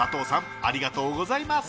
ありがとうございます。